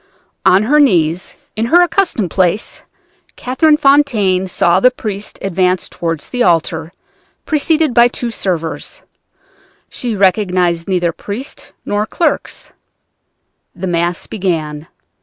On her knees, in her accustomed place, Catherine Fontaine saw the priest advance toward the altar, preceded by two servers. She recognized neither priest nor clerks. The Mass began.